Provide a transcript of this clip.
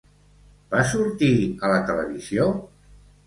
Va sortir a la televisió?